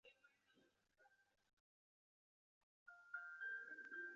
有位有着艾莉丝样貌的家庭主妇在早上醒来。